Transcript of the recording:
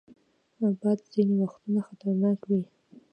باد ځینې وختونه خطرناک وي